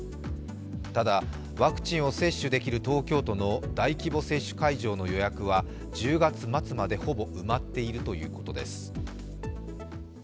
ただワクチンを接種できる東京都の大規模接種会場の予約は１０月末までほぼ埋まっているということです。